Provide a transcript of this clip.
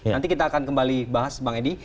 nanti kita akan kembali bahas bang edi